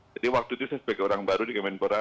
jadi waktu itu saya sebagai orang baru di kemenpora